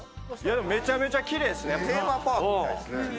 めちゃめちゃきれいっすね。